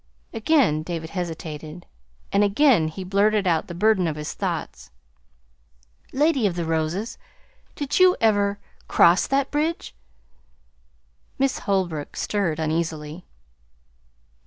Again David hesitated, and again he blurted out the burden of his thoughts. "Lady of the Roses, did you ever cross that bridge?" Miss Holbrook stirred uneasily.